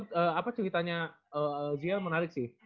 mantep apa ceritanya gia menarik sih